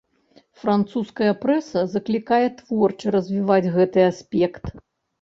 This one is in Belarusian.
Французская прэса заклікае творча развіваць гэты аспект.